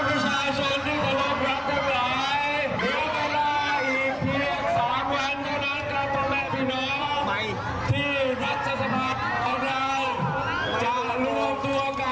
อีก๑๐คนในการเลือกนายกประจำนวนดีคนต่อไป